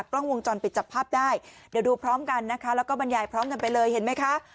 กล้องวงจรปิดจับภาพได้เดี๋ยวดูพร้อมกันนะคะแล้วก็บรรยายพร้อมกันไปเลยเห็นไหมคะ